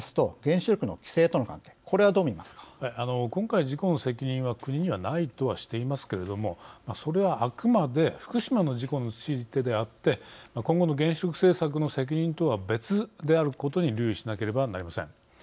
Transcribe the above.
今回事故の責任は国にはないとはしていますけれどもそれはあくまで福島の事故についてであって今後の原子力政策の責任とは別であることに留意しなければなりません。